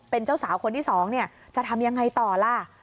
เป็นเจ้าสาวคนที่๒จะทำยังไงต่อล่ะ